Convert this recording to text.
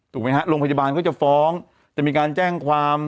ไหมฮะโรงพยาบาลก็จะฟ้องจะมีการแจ้งความ